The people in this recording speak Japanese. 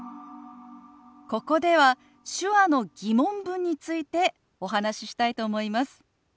ここでは手話の疑問文についてお話ししたいと思います。